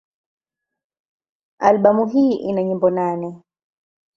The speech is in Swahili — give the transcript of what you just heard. Albamu hii ina nyimbo nane.